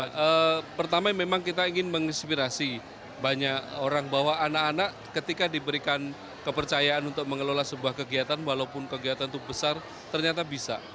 ya pertama memang kita ingin menginspirasi banyak orang bahwa anak anak ketika diberikan kepercayaan untuk mengelola sebuah kegiatan walaupun kegiatan itu besar ternyata bisa